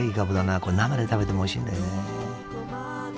これ生で食べてもおいしいんだよね。